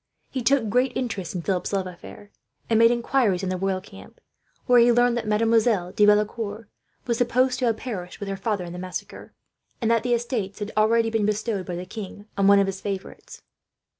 He took great interest in Philip's love affair, and made inquiries in the royal camp; where he learned that Mademoiselle de Valecourt was supposed to have perished with her father, in the massacre; and that the estates had already been bestowed, by the king, on one of his favourites.